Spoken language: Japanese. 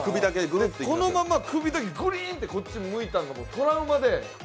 このまま首だけグリンってこっち向いたのがトラウマで。